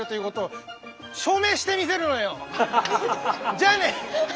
じゃあね！